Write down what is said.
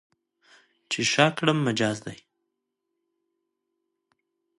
چې شا کړم، مجاز دی.